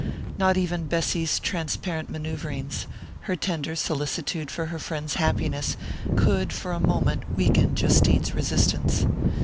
Not even Bessy's transparent manœuvrings, her tender solicitude for her friend's happiness, could for a moment weaken Justine's resistance.